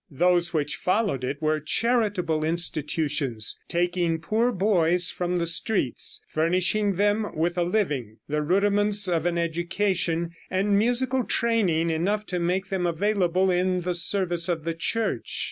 Those which followed it were charitable institutions, taking poor boys from the streets, furnishing them with a living, the rudiments of an education, and musical training enough to make them available in the service of the Church.